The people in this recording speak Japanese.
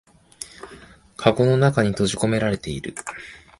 かごの中に閉じこめられてる